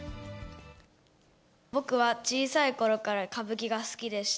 僕は小さいころから歌舞伎が好きでした。